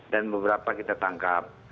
dan beberapa kita tangkap